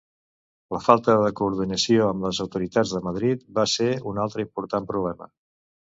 La falta de coordinació amb les autoritats de Madrid va ser un altre important problema.